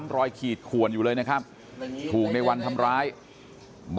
แล้วนี่ก็คือทำไมใส่ต้าทำไมยด